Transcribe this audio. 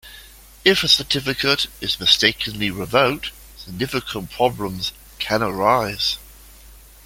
If a certificate is mistakenly revoked, significant problems can arise.